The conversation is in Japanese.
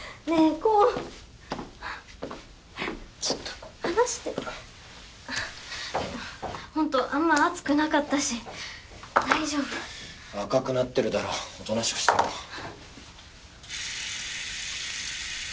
煌えっちょっと放してほんとあんま熱くなかったし大丈夫赤くなってるだろおとなしくしてろなぁ明